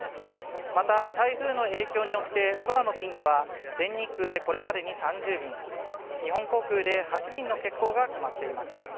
また、台風の影響によって空の便では全日空でこれまでに３０便、日本航空で８便の欠航が決まっています。